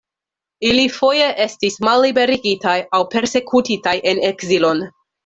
Ili foje estis malliberigitaj aŭ persekutitaj en ekzilon.